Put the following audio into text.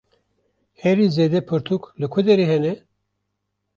Herî zêde pirtûk li ku derê hene?